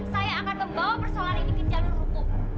saya akan membawa persoalan ini ke jalur hukum